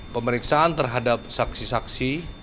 pemeriksaan terhadap saksi saksi